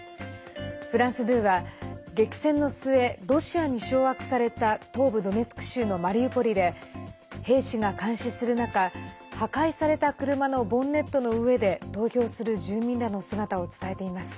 フランス２は激戦の末、ロシアに掌握された東部ドネツク州のマリウポリで兵士が監視する中破壊された車のボンネットの上で投票する住民らの姿を伝えています。